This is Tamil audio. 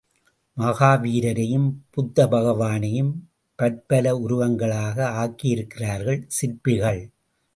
மகாவீரரையும், புத்த பகவானையும் பற்பல உருவங்களாக ஆக்கியிருக்கிறார்கள் சிற்பிகள்.